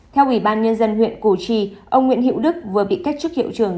theo ủy ban nhân dân huyện củ chi ông nguyễn hiệu đức vừa bị kết chức hiệu trường